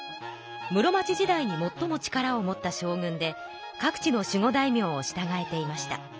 室町時代にもっとも力を持った将軍で各地の守護大名をしたがえていました。